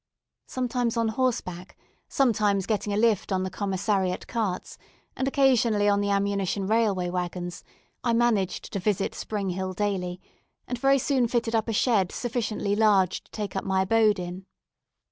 Sometimes on horseback, sometimes getting a lift on the commissariat carts, and occasionally on the ammunition railway waggons, I managed to visit Spring Hill daily, and very soon fitted up a shed sufficiently large to take up my abode in.